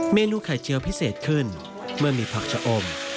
เมนูไข่เจียวพิเศษขึ้นเมื่อมีผักชะอม